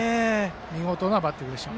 見事なバッティングでした。